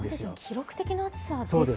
記録的な暑さですよね。